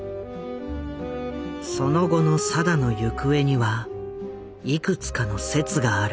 その後の定の行方にはいくつかの説がある。